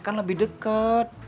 kan lebih deket